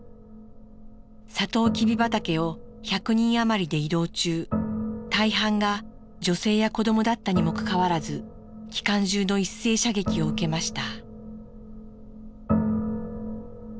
とうきび畑を１００人余りで移動中大半が女性や子どもだったにもかかわらず機関銃の一斉射撃を受けました。